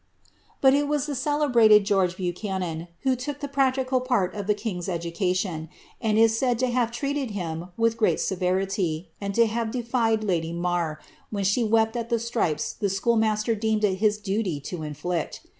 But it was the celebrated George Buchanan who took the practical part of the king's education, and is said to have treated him with great aeverity, and to have defied lady Marr, when she wept at the stripes the achoolmaster deemed it his duty to inflict.